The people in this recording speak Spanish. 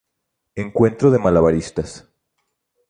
Encuentro de malabaristas